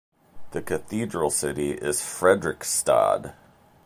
The cathedral city is Fredrikstad.